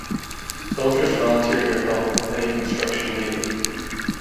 Soldiers volunteered their help with any construction needed.